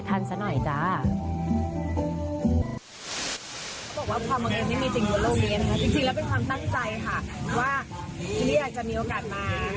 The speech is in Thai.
วันนั้นคุณแม่ยังไม่หายดีแต่วันนี้คุณแม่หายรำกรี๊งเนี่ยค่ะ